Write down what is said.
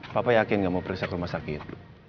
papa yakin nggak mau periksa ke rumah sakit